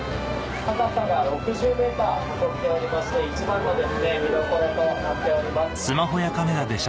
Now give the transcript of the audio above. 高さが６０ｍ誇っておりまして一番の絶景見どころとなっております。